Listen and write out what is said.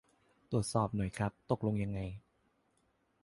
ตรวจสอบหน่อยครับ ตกลงยังไง